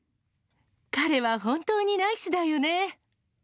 彼は本当にナイスだよね。